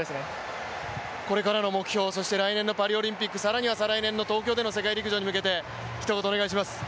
これからの目標、来年のパリオリンピック、更には再来年の東京での世界陸上に向けてひと言お願いします。